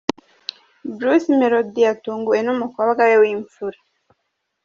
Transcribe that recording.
Bruce Melody yatunguwe n'umukobwa we w'imfura.